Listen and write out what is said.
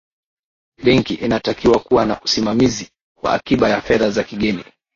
benki inatakiwa kuwa na usimamizi wa akiba ya Fedha za kigeni